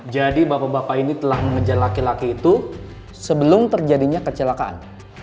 jadi bapak bapak ini telah mengejar laki laki itu sebelum terjadinya kecelakaan